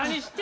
何？